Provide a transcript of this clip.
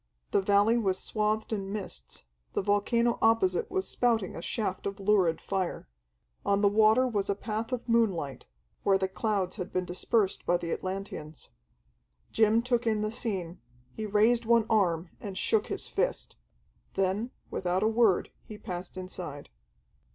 The valley was swathed in mists, the volcano opposite was spouting a shaft of lurid fire. On the water was a path of moonlight, where the clouds had been dispersed by the Atlanteans. Jim took in the scene, he raised one arm and shook his fist. Then, without a word, he passed inside.